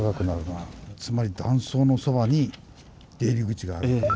つまり断層のそばに出入り口がある。